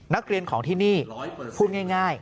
นักเรียนของที่นี่พูดง่าย